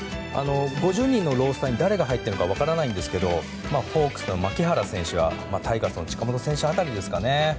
５０人のロースターに誰が入っているか分かりませんがホークスの牧原選手やタイガースの近本選手辺りですかね。